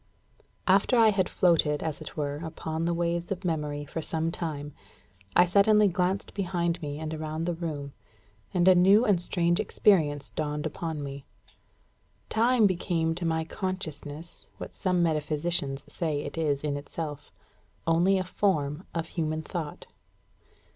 After I had floated, as it were, upon the waves of memory for some time, I suddenly glanced behind me and around the room, and a new and strange experience dawned upon me. Time became to my consciousness what some metaphysicians say it is in itself only a form of human thought.